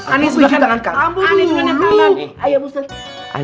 aneh dulu aneh sebelah kanan